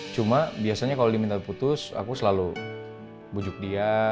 cuma biasanya kalau diminta putus aku selalu bujuk dia